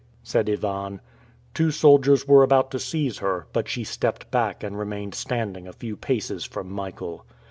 said Ivan. Two soldiers were about to seize her, but she stepped back and remained standing a few paces from Michael.